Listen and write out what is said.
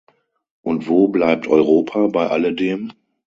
Und wo bleibt Europa bei alledem?